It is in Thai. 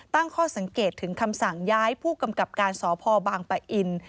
ตั้งข้อสังเกตถึงคำสั่งย้ายผู้กำกับการสพบางปะอิน